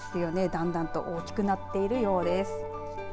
だんだんと大きくなっているようです。